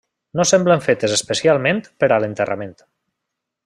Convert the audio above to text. No semblen fetes especialment per a l'enterrament.